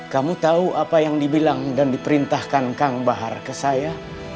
kamu tahu apa yang dibilang dan diperintahkan kang bahar ke saya